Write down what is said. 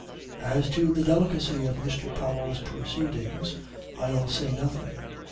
As to the delicacy of Mr. Powell's proceedings I'll say nothing.